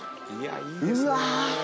うわ！